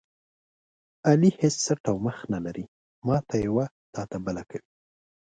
علي هېڅ څټ او مخ نه لري، ماته یوه تاته بله کوي.